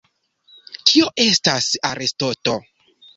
Kio estas arestoto?